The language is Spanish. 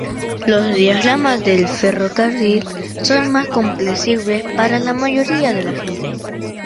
Los diagramas de ferrocarril son más comprensibles para la mayoría de la gente.